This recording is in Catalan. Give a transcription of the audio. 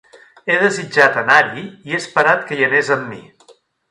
He desitjat anar-hi i he esperat que hi anés amb mi.